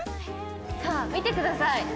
さあ見てください。